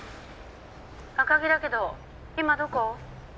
☎赤城だけど今どこ？